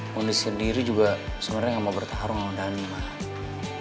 mondi sendiri juga sebenernya gak mau bertarung sama dhani mah